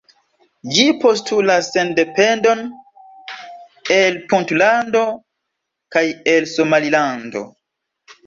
Ĝi postulas sendependon el Puntlando kaj el Somalilando.